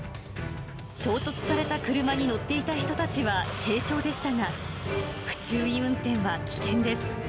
衝突された車に乗っていた人たちは軽傷でしたが、不注意運転は危険です。